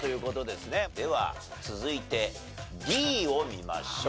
では続いてＤを見ましょう。